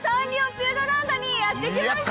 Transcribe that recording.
ピューロランドにやってきました！